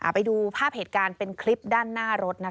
ไปดูภาพเหตุการณ์เป็นคลิปด้านหน้ารถนะคะ